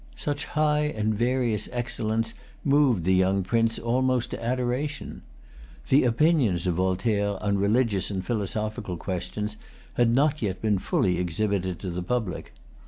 Such high and various excellence moved the young Prince almost to adoration. The opinions of Voltaire on religious and philosophical questions had not yet been fully exhibited to the public.